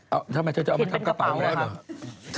เอ้าทำไมเธอจะเอามาทำกระเป๋าแล้วเหรอ